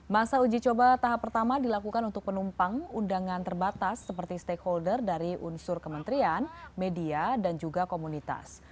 masa uji coba tahap pertama dilakukan untuk penumpang undangan terbatas seperti stakeholder dari unsur kementerian media dan juga komunitas